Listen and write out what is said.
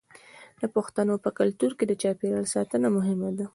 د پښتنو په کلتور کې د چاپیریال ساتنه مهمه ده.